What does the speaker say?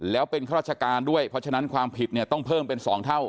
แล้วเป็นข้าราชการด้วยเพราะฉะนั้นความผิดเนี่ยต้องเพิ่มเป็น๒เท่า